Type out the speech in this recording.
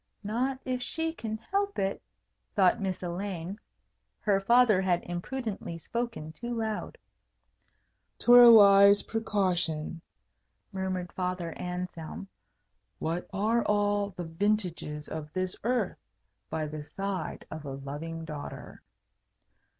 "Not if she can help it," thought Miss Elaine. Her father had imprudently spoken too loud. "'Twere a wise precaution," murmured Father Anselm. "What are all the vintages of this earth by the side of a loving daughter?"